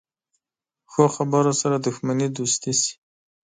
ښو خبرو سره دښمني دوستي شي.